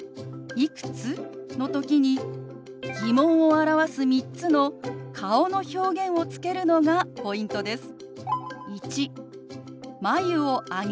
「いくつ？」の時に疑問を表す３つの顔の表現をつけるのがポイントです。